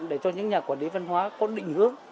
để cho những nhà quản lý văn hóa có định hướng